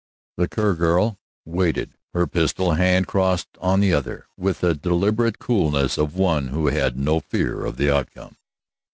The Kerr girl waited, her pistol hand crossed on the other, with the deliberate coolness of one who had no fear of the outcome.